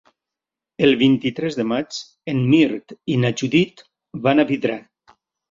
El vint-i-tres de maig en Mirt i na Judit van a Vidrà.